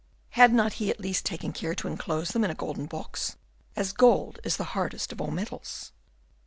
had not he at least taken care to enclose them in a golden box, as gold is the hardest of all metals?